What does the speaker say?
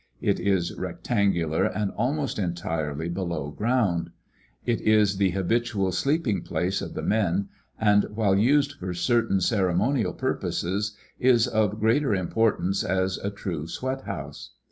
It is rectangular and almost entirely below ground. It is the habitual sleeping place of the men, and while used for certain ceremonial purposes is of greater importance as a true sweat house.